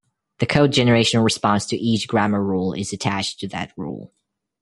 The code generation response to each grammar rule is attached to that rule.